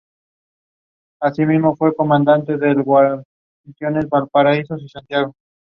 He is the youngest brother of former footballer Dori Arad.